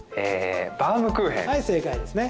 はい、正解ですね。